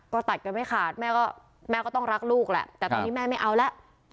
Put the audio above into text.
ก็ตัดกันไม่ขาดแม่ก็แม่ก็ต้องรักลูกแหละแต่ตอนนี้แม่ไม่เอาแล้ว